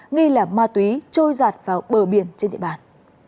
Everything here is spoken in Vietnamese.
nghi lẻ ma túy trôi giặt vào bờ biển trên địa bàn